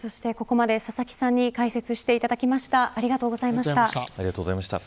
ここまで佐々木さんに解説していただきました。